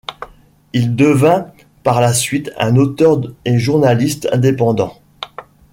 Il devint par la suite un auteur et journaliste indépendant.